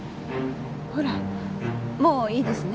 ほらもういいですね？